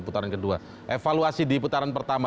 putaran kedua evaluasi di putaran pertama